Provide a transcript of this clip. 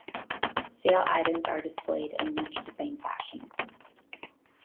Sale items are displayed in much the same fashion.